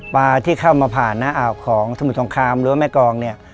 ปลาที่เข้ามาผ่านหน้าอ่าวของสมุทรของคามหรือแม่กอง